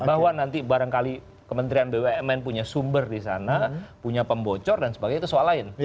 bahwa nanti barangkali kementerian bumn punya sumber di sana punya pembocor dan sebagainya itu soal lain